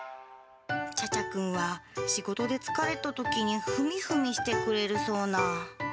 ちゃちゃくんは、仕事で疲れたときにふみふみしてくれるそうな。